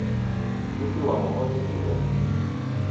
Mí tɛ́ wa mɔ hɔ́ tɛ́ te mɛʼí̧.